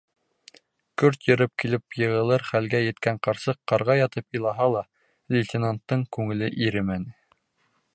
Көрт йырып килеп йығылыр хәлгә еткән ҡарсыҡ ҡарға ятып илаһа ла, лейтенанттың күңеле иремәне.